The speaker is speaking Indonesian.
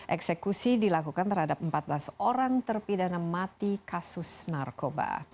eksekusi dilakukan terhadap empat belas orang terpidana mati kasus narkoba